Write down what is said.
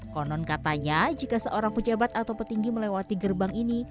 konon katanya jika seorang pejabat atau petinggi melewati gerbang ini